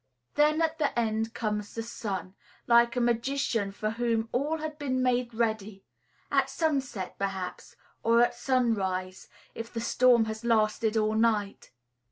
Then at the end comes the sun, like a magician for whom all had been made ready; at sunset, perhaps, or at sunrise, if the storm has lasted all night.